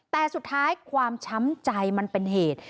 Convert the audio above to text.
แต่สุดท้ายความช้ำใจมันเป็นเหตุ